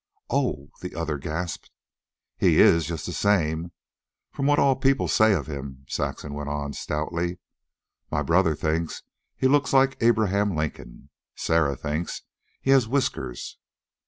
"Oh!" the other gasped. "He IS, just the same, from what all people say of him," Saxon went on stoutly. "My brother thinks he looks like Abraham Lincoln. Sarah thinks he has whiskers."